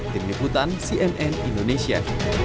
tim nihutan cnn indonesia